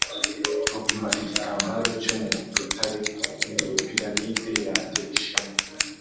gupima igitambaro cyo mu rutare, ni piramide yanjye ishema;